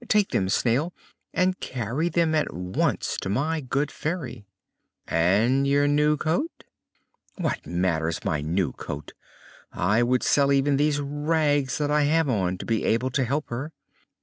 Take them, Snail, and carry them at once to my good Fairy." "And your new coat?" "What matters my new coat? I would sell even these rags that I have on to be able to help her.